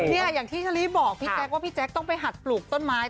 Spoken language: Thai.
อย่างที่เชอรี่บอกพี่แจ๊คว่าพี่แจ๊คต้องไปหัดปลูกต้นไม้